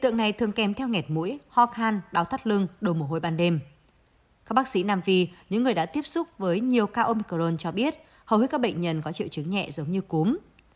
các bác sĩ nam phi những người đã tiếp xúc với nhiều ca âm cron cho biết hầu hết các bệnh nhân có triệu chứng nhẹ giống như cúm